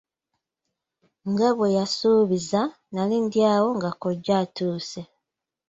Nga bwe yasuubiza, nali ndi awo nga kkojja atuuse.